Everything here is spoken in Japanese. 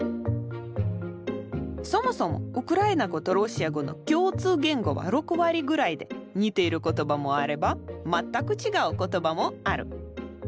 そもそもウクライナ語とロシア語の共通言語は６割ぐらいで似ている言葉もあれば全く違う言葉もある。